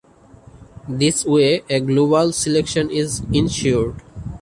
This way a global selection is insured.